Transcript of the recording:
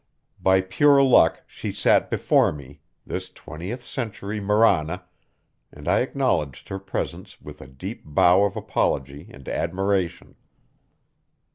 By pure luck she sat before me, this twentieth century Marana, and I acknowledged her presence with a deep bow of apology and admiration.